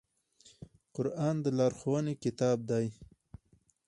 قرآن د لارښوونې کتاب دی